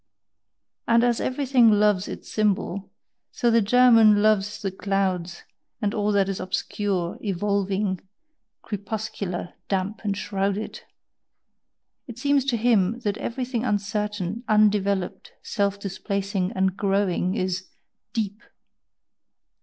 And as everything loves its symbol, so the German loves the clouds and all that is obscure, evolving, crepuscular, damp, and shrouded, it seems to him that everything uncertain, undeveloped, self displacing, and growing is "deep".